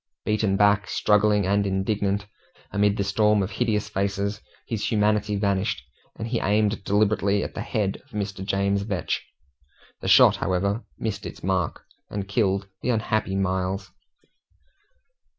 Beaten back, struggling, and indignant, amid the storm of hideous faces, his humanity vanished, and he aimed deliberately at the head of Mr. James Vetch; the shot, however, missed its mark, and killed the unhappy Miles.